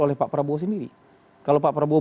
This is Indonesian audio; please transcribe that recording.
oleh pak prabowo sendiri kalau pak prabowo